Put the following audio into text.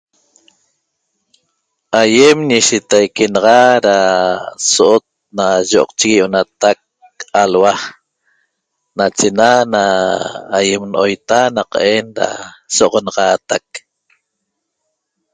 Aiem ñeshetaique naxa da soot na yoqchigue ionataq alua' nachena na aiem noita naqaen da so oxanaxataq